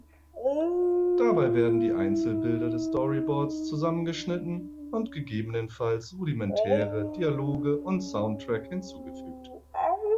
Dabei werden die Einzelbilder des Storyboards zusammengeschnitten und gegebenenfalls rudimentäre Dialoge und Soundtrack hinzugefügt.